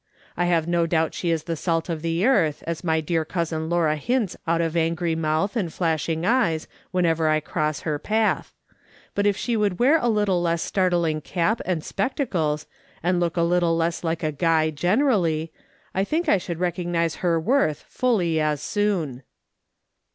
I've no doubt she is the salt of the earth, as my dear cousin Laura hints out of angry mouth and flashing eyes, whenever I cross her path ; but if she would wear a little less startling cap and spectacles, and look a little less like a guy generally, I think I should recognise her worth fully as soon."